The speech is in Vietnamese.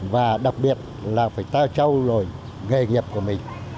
và đặc biệt là phải ta trâu lồi nghề nghiệp của mình